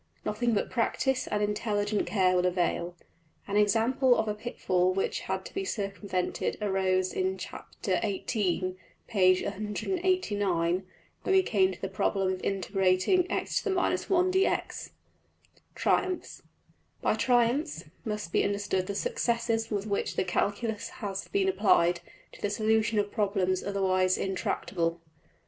Nothing but practice and intelligent care will avail. An example of a pitfall which had to be circumvented arose in Chap.~XVIII., \Pageref{chap:XVIII}, when we came to the problem of integrating $x^{ 1}\, dx$. \Paragraph{Triumphs.} By triumphs must be understood the successes with which the calculus has been applied to the solution of problems otherwise intractable.